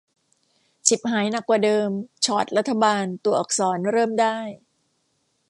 ฉิบหายหนักกว่าเดิม ฉอดรัฐบาล ตัวอักษร เริ่มได้